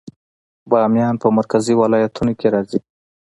بامیان په مرکزي ولایتونو کې راځي